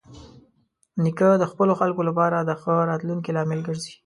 نیکه د خپلو خلکو لپاره د ښه راتلونکي لامل ګرځي.